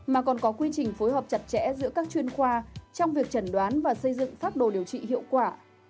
mà còn có quy trình phối hợp chặt chẽ giữa các chuyên khoa trong việc chẩn đoán và xây dựng pháp đồ điều trị hiệu quả